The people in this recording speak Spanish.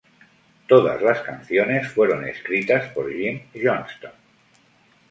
Todas las canciones fueron escritas por Jim Johnston.